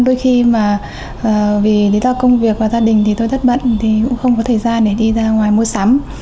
đôi khi mà vì lý do công việc và gia đình thì tôi thất bận thì cũng không có thời gian để đi ra ngoài mua sắm